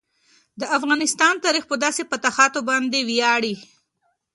د افغانستان تاریخ په داسې فاتحانو باندې ویاړي.